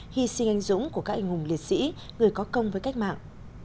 hy sinh anh dũng của các anh hùng liệt sĩ người có công với cách mạng